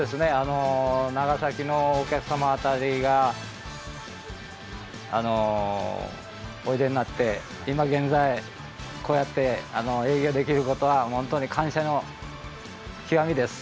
長崎のお客様たちがおいでになって今、現在こうやって営業できることは本当に感謝の極みです。